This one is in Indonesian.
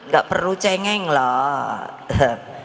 gak perlu cengeng lah